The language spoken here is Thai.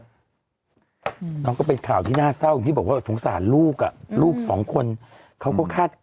น้องก็เป็นข่าวที่น่าเศร้าอย่างที่บอกว่าสงสารลูกอ่ะลูกสองคนเขาก็คาด